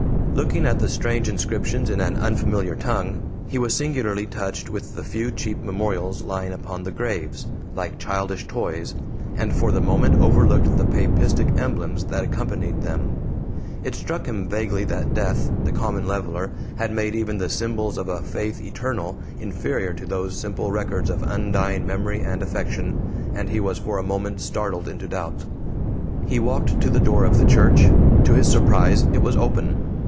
Looking at the strange inscriptions in an unfamiliar tongue, he was singularly touched with the few cheap memorials lying upon the graves like childish toys and for the moment overlooked the papistic emblems that accompanied them. It struck him vaguely that Death, the common leveler, had made even the symbols of a faith eternal inferior to those simple records of undying memory and affection, and he was for a moment startled into doubt. He walked to the door of the church; to his surprise it was open.